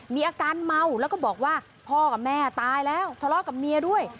มีอาการเมาแล้วก็บอกว่าพ่อกับแม่ตายแล้วทะเลาะกับเมียด้วย